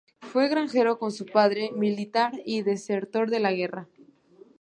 Fue granjero con su padre, militar y desertor de la guerra.